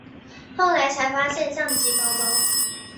后来才发现相机包包